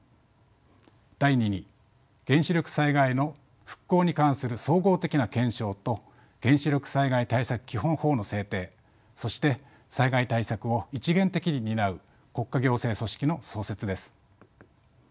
第２に原子力災害の復興に関する総合的な検証と原子力災害対策基本法の制定そして災害対策を一元的に担う国家行政組織の創設です。